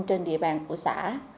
trên địa bàn của xã